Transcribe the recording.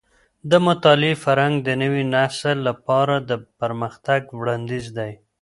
د مطالعې فرهنګ د نوي نسل لپاره د پرمختګ وړاندیز دی.